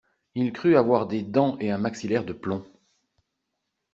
Il crut avoir des dents et un maxillaire de plomb.